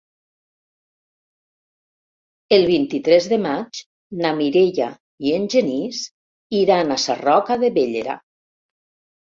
El vint-i-tres de maig na Mireia i en Genís iran a Sarroca de Bellera.